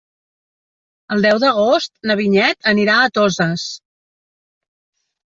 El deu d'agost na Vinyet anirà a Toses.